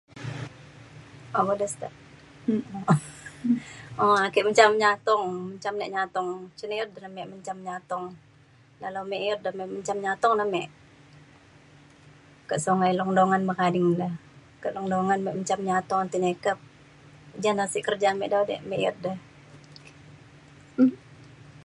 [unintelligible] ake mencam nyatung mencam nik nyatung cung i'iut ne mik mencam nyatung dalau mik i'iut de mik mencam nyatung ne mik ke songai long dongan bekading re ke long dongan mik mencam nyatung tai nyakep jane sik kerja mik dalau mik i'iut de